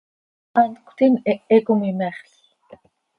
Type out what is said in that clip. Hant cötiin, hehe com imexl.